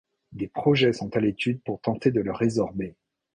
Des projets sont à l'étude pour tenter de le résorber.